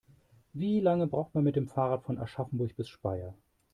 Wie lange braucht man mit dem Fahrrad von Aschaffenburg bis Speyer?